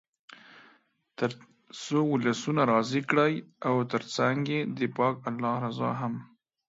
تر څو ولسونه راضي کړئ او تر څنګ یې د پاک الله رضا هم.